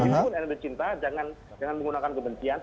himpun energi cinta jangan menggunakan kebencian